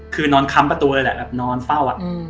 คือนอนค้ำประตูเลยแหละแบบนอนเฝ้า